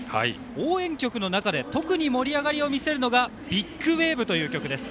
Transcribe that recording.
応援曲の中で特に盛り上がりを見せるのが「ＢＩＧＷＡＶＥ」という曲です。